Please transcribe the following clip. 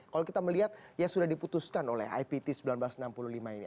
kalau kita melihat yang sudah diputuskan oleh ipt seribu sembilan ratus enam puluh lima ini